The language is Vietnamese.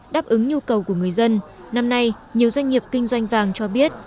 đáp ứng nhu cầu của người dân năm nay nhiều doanh nghiệp kinh doanh vàng cho biết